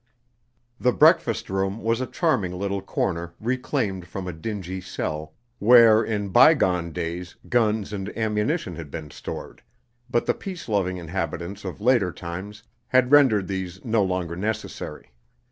4 The breakfast room was a charming little corner reclaimed from a dingy cell, where in by gone days guns and ammunition had been stored, but the peace loving inhabitants of later times had rendered these no longer necessary.